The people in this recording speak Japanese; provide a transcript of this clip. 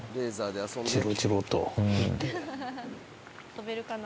跳べるかな？